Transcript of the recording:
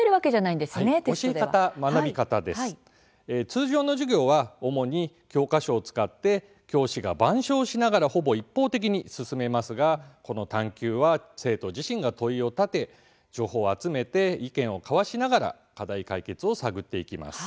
通常の授業は主に教科書を使って教師が板書をしながらほぼ一方的に進めますが「探究」は生徒自身が問いを立て情報を集めて意見を交わしながら課題解決を探っていきます。